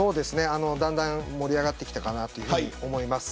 だんだん盛り上がってきたかなと思います。